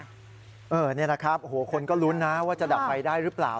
นี่นะครับโอ้โหคนก็ลุ้นนะว่าจะดับไฟได้หรือเปล่า